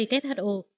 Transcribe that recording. tỷ lệ năm nay